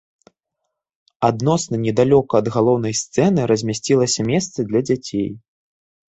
Адносна недалёка ад галоўнай сцэны размясцілася месца для дзяцей.